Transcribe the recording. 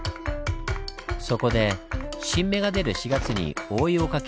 そこで新芽が出る４月に覆いを掛け